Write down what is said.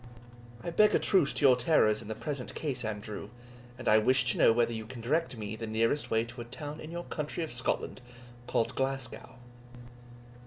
"I beg a truce to your terrors in the present case, Andrew, and I wish to know whether you can direct me the nearest way to a town in your country of Scotland, called Glasgow?"